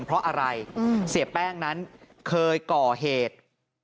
เพราะอะไรเสียแป้งนั้นเคยก่อเหตุ